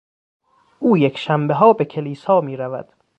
او یکشنبهها به کلیسا میرود.